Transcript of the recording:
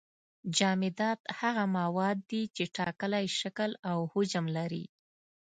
جامدات هغه مواد دي چې ټاکلی شکل او حجم لري.